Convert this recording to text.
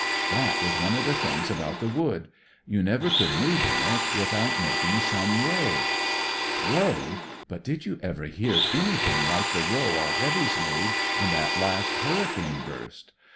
" That was one of the things about the Wood; you never could move in it without making some row." "Row! But did you ever hear any thing like the row our heavies made in that last hurricane burst